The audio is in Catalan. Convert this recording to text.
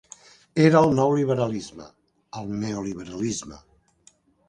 Era el nou liberalisme: el neoliberalisme.